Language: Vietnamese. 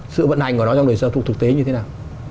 sự vận hành của nó trong đời xã hội thực tế như thế nào